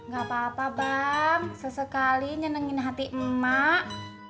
gak apa apa bang sesekali nyenengin hati emak